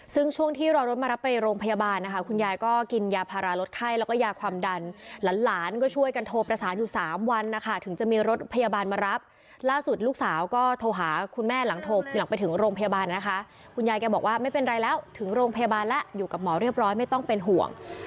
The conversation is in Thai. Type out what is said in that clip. ซึ่งช่วงที่รอรถมารับไปโรงพยาบาลนะคะคุณยายก็กินยาพาราลดไข้แล้วก็ยาความดันหลานหลานก็ช่วยกันโทรประสานอยู่สามวันนะคะถึงจะมีรถพยาบาลมารับล่าสุดลูกสาวก็โทรหาคุณแม่หลังโทรหลังไปถึงโรงพยาบาลนะคะคุณยายแกบอกว่าไม่เป็นไรแล้วถึงโรงพยาบาลแล้วอยู่กับหมอเรียบร้อยไม่ต้องเป็นห่วง